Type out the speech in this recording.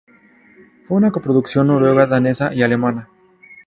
Fue una coproducción noruega, danesa y alemana.